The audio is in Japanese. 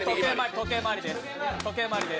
時計回りです。